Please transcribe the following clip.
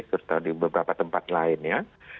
serta di beberapa tempat lain ya